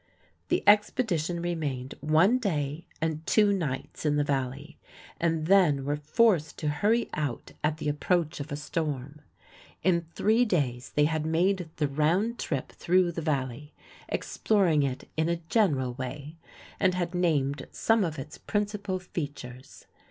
The expedition remained one day and two nights in the Valley, and then were forced to hurry out at the approach of a storm. In three days they had made the round trip through the Valley, exploring it in a general way, and had named some of its principal features.